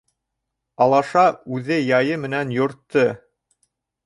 Алаша үҙ яйы менән юртты.